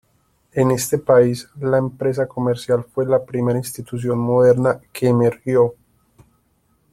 En este país, la empresa comercial fue la primera institución moderna que emergió.